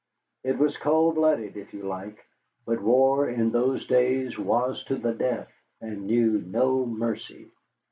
It was cold blooded, if you like, but war in those days was to the death, and knew no mercy.